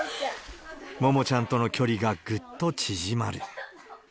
ももちゃんとの距離が、ぐっと縮まる。